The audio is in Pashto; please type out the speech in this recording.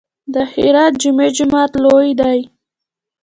د هرات جامع جومات لوی دی